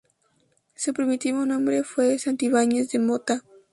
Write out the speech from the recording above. Su primitivo nombre fue Santibáñez de Mota.